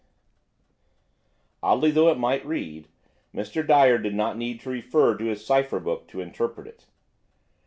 B." Oddly though it might read, Mr. Dyer did not need to refer to his cipher book to interpret it.